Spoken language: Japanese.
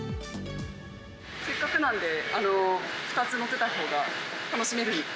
せっかくなので、２つ載ってたほうが楽しめる。